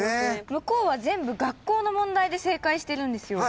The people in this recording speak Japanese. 向こうは全部学校の問題で正解してるんですよ。